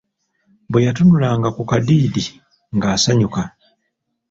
Bwe yatunulanga ku Kadiidi nga asanyuka